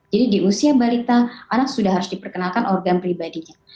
jadi di usia balita anak sudah harus diperkenalkan organ pribadinya